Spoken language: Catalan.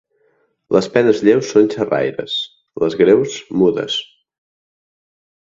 Les penes lleus són xerraires; les greus, mudes.